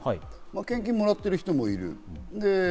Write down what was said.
献金もらってる人もいる。